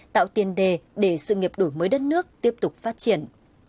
tạo tiền đề để sự nghiệp đổi mới đất nước tiếp tục phát triển